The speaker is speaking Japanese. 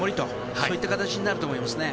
そういった形になると思いますね。